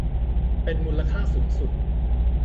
เป็นมูลค่าสูงสุด